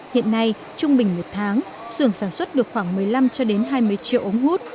hiện nay trung bình một tháng xưởng sản xuất được khoảng một mươi năm hai mươi triệu ống hút